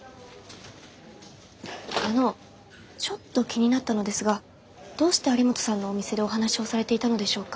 あのちょっと気になったのですがどうして有本さんのお店でお話をされていたのでしょうか？